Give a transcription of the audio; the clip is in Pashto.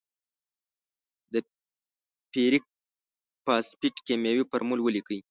د فیریک فاسفیټ کیمیاوي فورمول ولیکئ.